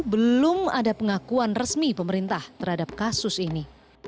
belum ada pengakuan resmi pemerintah terhadap kasus ini